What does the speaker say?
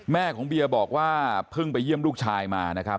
แม่ของเบียบอกว่าเพิ่งไปเยี่ยมลูกชายมานะครับ